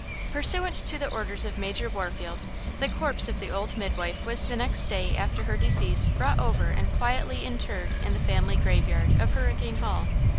PURSUANT to the orders of Major Warfield, the corpse of the old midwife was the next day after her decease brought over and quietly interred in the family graveyard of Hurricane Hall.